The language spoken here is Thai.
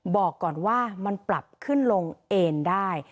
บอกก่อนว่ามันปรับขึ้นลงเอนได้